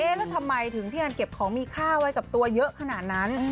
แล้วทำไมถึงพี่อันเก็บของมีค่าไว้กับตัวเยอะขนาดนั้น